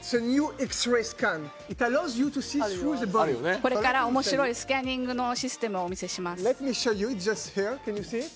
これからおもしろいスキャニングのシステムをお見せします。